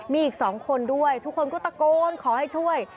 มีอีก๒คนด้วยทุกคนก็ตะโกนขอให้ช่วย